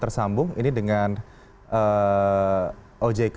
terus kita sambung ini dengan ojk